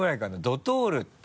「ドトール」ってさ